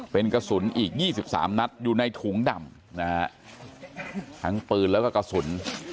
เป็นกระสุนอีก๒๓นัดอยู่ในถุงดำนะฮะทั้งปืนแล้วก็กระสุน